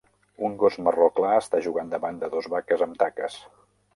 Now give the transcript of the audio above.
Un gos marró clar està jugant davant de dos vaques amb taques.